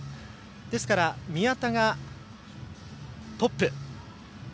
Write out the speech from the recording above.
ですから、宮田がトップ。